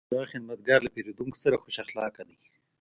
دا خدمتګر له پیرودونکو سره خوش اخلاقه دی.